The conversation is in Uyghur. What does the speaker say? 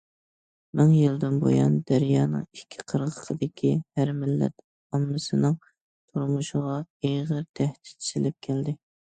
مىڭ يىلدىن بۇيان، دەريانىڭ ئىككى قىرغىقىدىكى ھەر مىللەت ئاممىسىنىڭ تۇرمۇشىغا ئېغىر تەھدىت سېلىپ كەلدى.